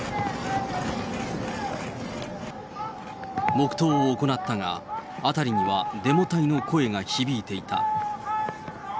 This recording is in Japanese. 黙とうを行ったが、あたりにはデモ隊の声が響いていた。